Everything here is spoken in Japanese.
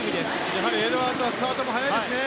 やはりエドワーズはスタート速いですね。